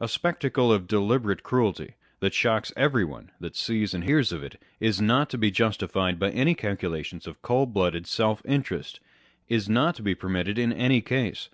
A spectacle of deliberate cruelty, that shocks everyone that sees and hears of it, is not to be justified by any calculations of cold blooded self interest â€¢is not to be permitted in any case.